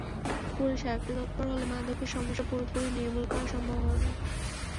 Police আরেকটু তৎপর হলে মাদকের সমস্যা পুরোপুরি নির্মূল করা সম্ভব হবে।